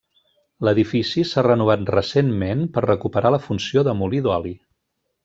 L'edifici s'ha renovat recentment per recuperar la funció de molí d'oli.